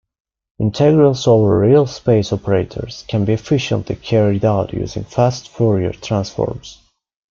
Integrals over real-space operators can be efficiently carried out using fast Fourier transforms.